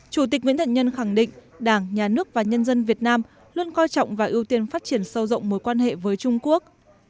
chủ tịch nguyễn thận nhân khẳng định đảng nhà nước và nhân dân việt nam luôn coi trọng và ưu tiên phát triển sâu rộng mối quan hệ với trung quốc